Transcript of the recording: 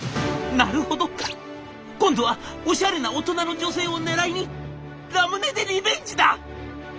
「なるほど。今度はオシャレな大人の女性を狙いにラムネでリベンジだ！」。